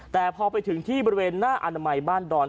แต่พอไปถึงที่บริเวณหน้าอนามัยบ้านดอน